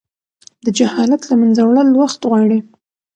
د جهالت له منځه وړل وخت غواړي.